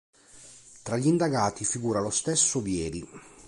Tra gli indagati figura lo stesso Vieri.